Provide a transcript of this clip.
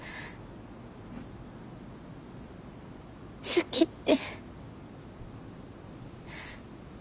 好きって。